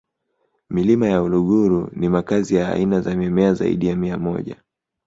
milima ya uluguru ni makazi ya aina za mimea zaidi ya mia moja